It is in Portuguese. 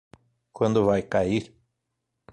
Quando vai cair?